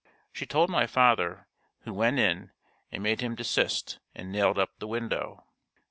She told my father, who went in and made him desist and nailed up the window.